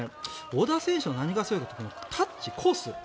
小田選手の何がすごいかというとタッチ、コース